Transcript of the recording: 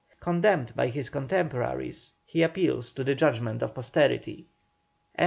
Condemned by his contemporaries, he appeals to the judgment of posterity. CHAPTER XXIV.